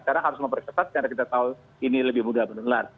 karena harus memperketat karena kita tahu ini lebih mudah penularan